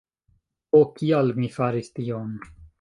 Ho kial mi faris tion?